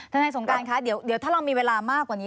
ท่านท่านศนการค่ะเดี๋ยวถ้าเรามีเวลามากกว่านี้